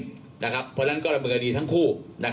เพราะฉะนั้นก็เป็นบริการีทั้งคู่